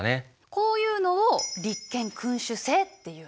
こういうのを立憲君主制っていうの。